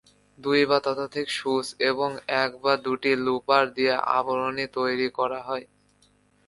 দুই বা ততোধিক সূচ এবং এক বা দুটি লুপার দিয়ে আবরণী তৈরি করা হয়।